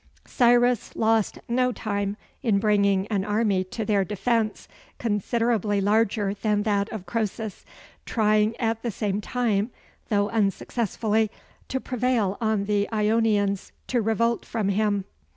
Cyrus lost no time in bringing an army to their defence considerably larger than that of Croesus; trying at the same time, though unsuccessfully, to prevail on the Ionians to revolt from him.